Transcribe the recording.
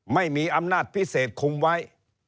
ไม่มีอำนาจพิเศษคุมไว้